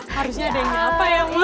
harusnya ada yang nyapa ya ma